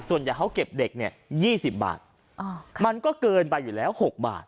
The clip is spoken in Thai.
ส่วนใหญ่เขาเก็บเด็กเนี่ย๒๐บาทมันก็เกินไปอยู่แล้ว๖บาท